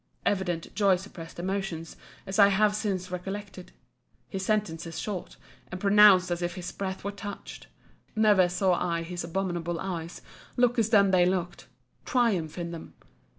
Evident joy suppressed emotions, as I have since recollected. His sentences short, and pronounced as if his breath were touched. Never saw I his abominable eyes look as then they looked—Triumph in them!